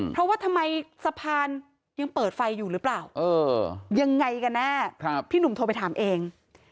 เพราะว่าทำไมสะพานยังเปิดไฟอยู่หรือเปล่ายังไงกันแน่พี่หนุ่มโทรไปถามเอง